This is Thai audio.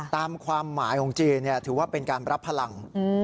ตามความหมายของจีนถือว่าเป็นการรับพลัง